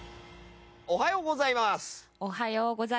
おはようございます。